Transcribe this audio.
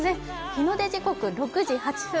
日の出時刻、６時８分。